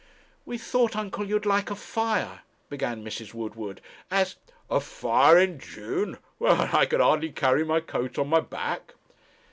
'We thought, uncle, you'd like a fire,' began Mrs. Woodward, 'as ' 'A fire in June, when I can hardly carry my coat on my back!'